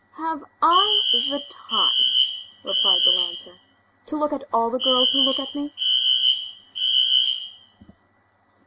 "Have I the time," replied the lancer, "to look at all the girls who look at me?"